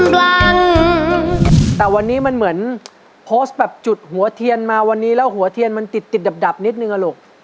ฟังแต่วันนี้มันเหมือนโพสต์แบบจุดหัวเทียนมาวันนี้แล้วหัวเทียนมันติดติดดับนิดนึงอะลูก